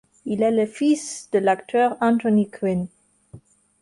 Il est le fils de l'acteur Anthony Quinn.